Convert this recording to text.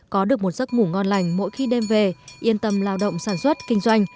có được một giấc ngủ ngon lành mỗi khi đem về yên tâm lao động sản xuất kinh doanh